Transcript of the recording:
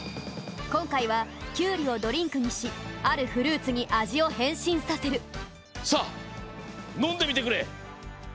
こんかいはキュウリをドリンクにしあるフルーツにあじをへんしんさせるさあのんでみてくれ。